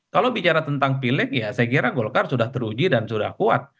kalau bicara tentang pileg ya saya kira golkar sudah teruji dan sudah kuat